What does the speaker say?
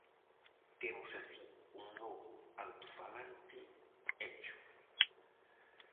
Temos así un novo altofalante Echo.